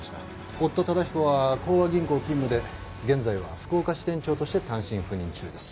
夫忠彦は幸和銀行勤務で現在は福岡支店長として単身赴任中です。